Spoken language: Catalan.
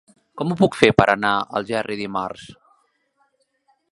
Com ho puc fer per anar a Algerri dimarts?